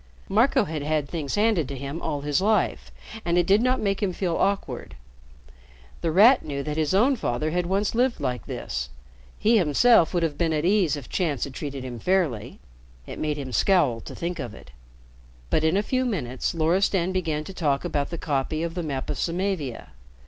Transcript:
Marco had had things handed to him all his life, and it did not make him feel awkward. The Rat knew that his own father had once lived like this. He himself would have been at ease if chance had treated him fairly. It made him scowl to think of it. But in a few minutes Loristan began to talk about the copy of the map of Samavia.